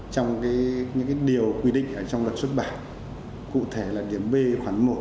trong những điều quy định trong luật xuất bản cụ thể là điểm b khoản một